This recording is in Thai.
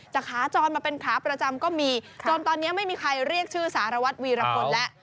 ขาจรมาเป็นขาประจำก็มีจนตอนนี้ไม่มีใครเรียกชื่อสารวัตรวีรพลแล้ว